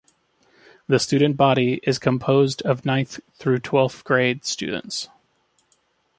The student body is composed of ninth through twelfth grade students.